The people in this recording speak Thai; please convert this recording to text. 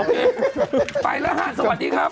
ไปแล้วฮะสวัสดีครับ